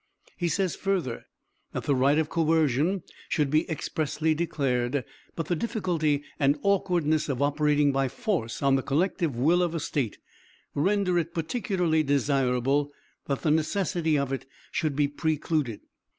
He says further 'that the right of coercion should be expressly declared; but the difficulty and awkwardness of operating by force on the collective will of a State, render it particularly desirable that the necessity of it should be precluded.'